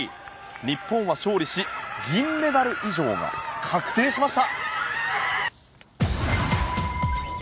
日本は勝利し銀メダル以上が確定しました。